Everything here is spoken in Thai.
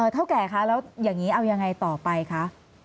เท่าแก่คะแล้วอย่างนี้เอายังไงต่อไปคะ